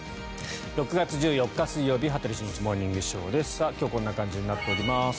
６月１４日、水曜日「羽鳥慎一モーニングショー」。今日はこんな感じになっております。